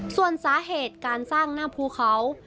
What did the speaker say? ส่วนสาเหตุการสร้างหน้าภูเขา